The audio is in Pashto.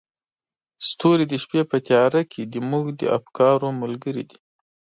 ستوري د شپې په تیاره کې زموږ د افکارو ملګري دي.